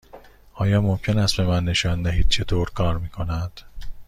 آیا ممکن است به من نشان دهید چطور کار می کند؟